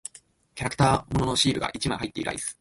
キャラクター物のシールが一枚入っているアイス。